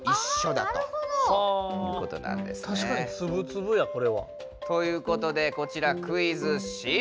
たしかにツブツブやこれは。ということでこちらクイズ失敗！